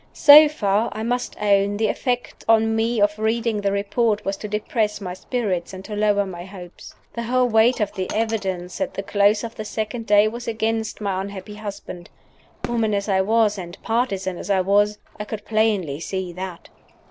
So far, I must own, the effect on me of reading the Report was to depress my spirits and to lower my hopes. The whole weight of the evidence at the close of the second day was against my unhappy husband. Woman as I was, and partisan as I was, I could plainly see that.